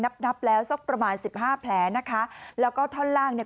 นับนับแล้วสักประมาณสิบห้าแผลนะคะแล้วก็ท่อนล่างเนี่ย